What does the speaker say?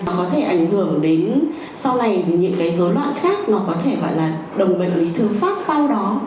có thể ảnh hưởng đến sau này những cái dối loạn khác nó có thể gọi là đồng bệnh lý thư phát sau đó